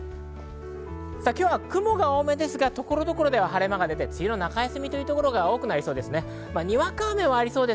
今日は雲が多めですが、所々で晴れ間があって、梅雨の中休みとなりそうです。